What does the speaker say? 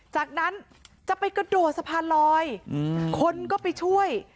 จากนั้นจะไปกระโดดสะพานลอยคนก็ไปช่วย